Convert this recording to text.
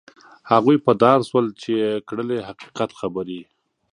هغوی په دار شول چې یې کړلې حقیقت خبرې.